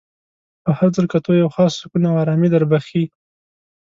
په هر ځل کتو یو خاص سکون او ارامي در بخښي.